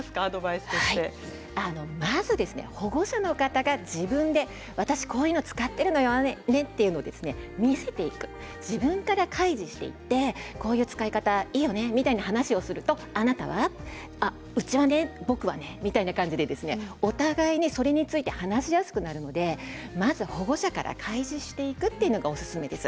まず保護者の方が自分で私こういうの使っているのよということを見せていく自分から開示していってこういう使い方、いいよねみたいな話をするとあなたはどうしているの、とかお互いにそれについて話しやすくなりますのでまず保護者から開示していくということがおすすめです。